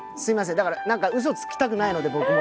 だから何かうそつきたくないので僕も。